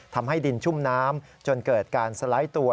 ทำให้ดินชุ่มน้ำจนเกิดการสไลด์ตัว